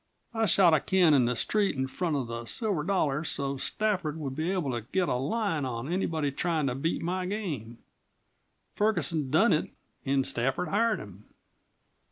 I shot a can in the street in front of the Silver Dollar so's Stafford would be able to get a line on anyone tryin' to beat my game. Ferguson done it an' Stafford hired him."